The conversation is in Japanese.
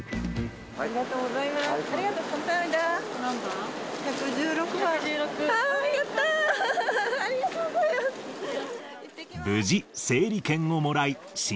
ありがとうございます。